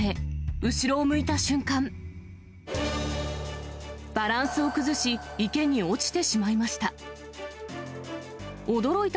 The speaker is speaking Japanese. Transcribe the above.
後ろを向いた瞬間、バランスを崩し、池に落ちてしまいました。